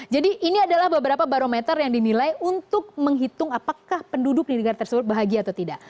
jadi ini adalah beberapa barometer yang dinilai untuk menghitung apakah penduduk di negara tersebut bahagia atau tidak